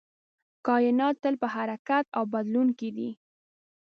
کائنات تل په حرکت او بدلون کې دی.